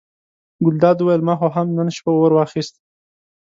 ګلداد وویل ما خو هم نن شپه اور واخیست.